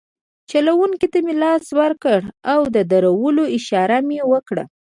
چلونکي ته مې لاس ورکړ او د درولو اشاره مې وکړه.